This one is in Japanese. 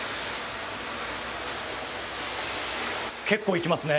結構いきますね。